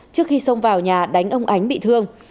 trước khi xông vào nhà đánh ông ánh bị thương